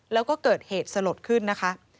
แล้วก็เกิดเหตุสลดขึ้นนะคะ